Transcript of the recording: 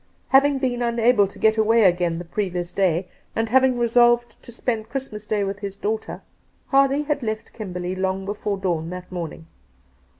Having been unable to get away again the pre vious day, and having resolved to spend Christmas Day with his daughter. Hardy had left Kimberley long before dawn that morning.